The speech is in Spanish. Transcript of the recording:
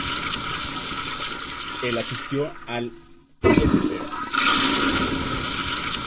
Él asistió al St.